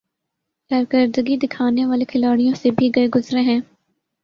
۔کارکردگی دکھانے والے کھلاڑیوں سے بھی گئے گزرے ہیں ۔